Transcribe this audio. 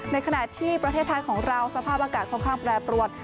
ในขณะที่ประเทศไทยของเราสภาพอากาศค่อนข้างแปรปรวน